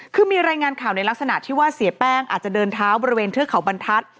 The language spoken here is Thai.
คือมีรายงานข่าวในลักษณะที่ว่าเสียแป้งอาจจะเดินเท้าบริเวณเทือกเขาบรรทัศน์